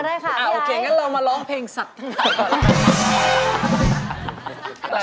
โอเคงั้นเรามาร้องเพลงสัตว์ทั้งในก่อน